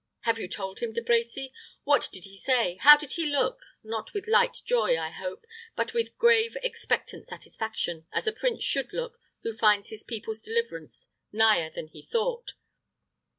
Have you told him, De Brecy? What did he say? How did he look? Not with light joy, I hope; but with grave, expectant satisfaction, as a prince should look who finds his people's deliverance nigher than he thought."